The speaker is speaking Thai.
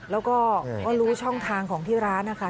แล้วก็รู้ช่องทางของที่ร้านนะคะ